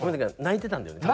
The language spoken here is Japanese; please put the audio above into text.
泣いてたんだよね。